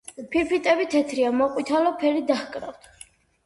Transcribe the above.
ფირფიტები თეთრია, მოყვითალო ფერი დაჰკრავთ.